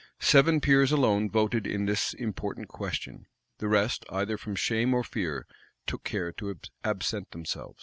Seven peers alone voted in this important question. The rest, either from shame or fear, took care to absent themselves.